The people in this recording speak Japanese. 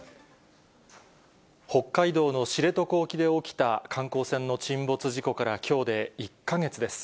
北海道の知床沖で起きた観光船の沈没事故からきょうで１か月です。